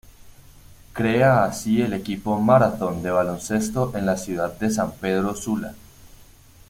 Crea así el equipo Marathon de baloncesto en la ciudad de San Pedro Sula.